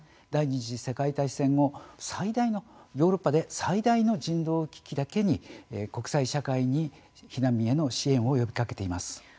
第２次世界大戦後、ヨーロッパで最大の人道危機だけに国際社会に、避難民への支援を呼びかけています。